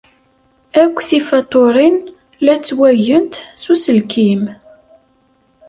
Akk tifatuṛin la ttwagent s uselkim.